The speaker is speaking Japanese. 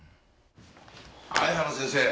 相原先生